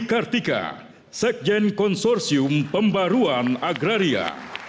dewi kartika sekjen konsorsium pembangunan agraria